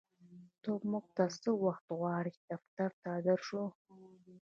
ته مونږ څه وخت غواړې چې دفتر ته در شو